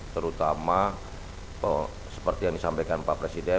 terutama seperti yang disampaikan pak presiden